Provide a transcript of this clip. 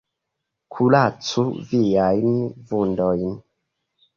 Kuracu viajn vundojn.